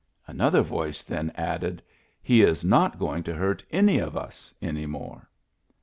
Another voice then added :" He is not going to hurt any of us any more."